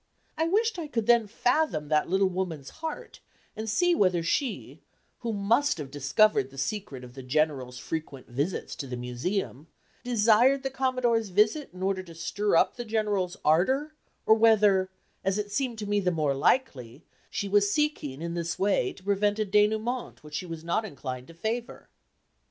I wished I could then fathom that little woman's heart, and see whether she (who must have discovered the secret of the General's frequent visits to the Museum) desired the Commodore's visit in order to stir up the General's ardor, or whether, as seemed to me the more likely, she was seeking in this way to prevent a denouement which she was not inclined to favor.